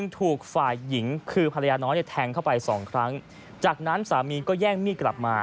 แทงเข้าไปสองครั้งจากนั้นสามีก็แย่งมี่กลับมา